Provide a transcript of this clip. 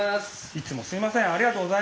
いつもすみません。